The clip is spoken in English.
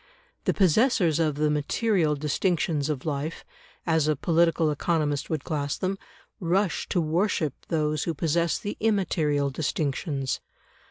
The possessors of the "material" distinctions of life, as a political economist would class them, rush to worship those who possess the immaterial distinctions.